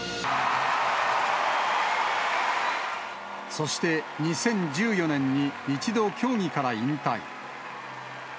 そして、２０１４年に一度競技から引退。